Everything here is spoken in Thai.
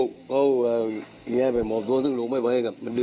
แล้วคล้องในบ้านด้วยงว่าเกิดหยาดอะ